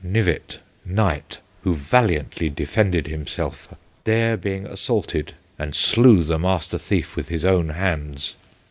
Knyvet, Knight, who valiantlye defended himself e, there being assaulted, and slew the master theefe with his own handes.'